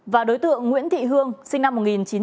và đối tượng nguyễn thị hương sinh năm một nghìn chín trăm tám mươi